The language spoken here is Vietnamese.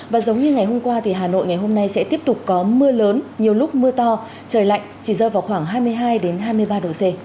và giống như ngày hôm qua thì hà nội ngày hôm nay sẽ tiếp tục có mưa lớn nhiều lúc mưa to trời lạnh chỉ rơi vào khoảng hai mươi hai hai mươi ba độ c